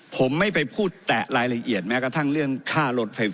ผมไม่ไปพูดแตะรายละเอียดแม้กระทั่งเรื่องค่ารถไฟฟ้า